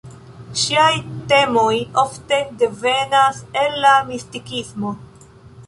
Ŝiaj temoj ofte devenas el la mistikismo.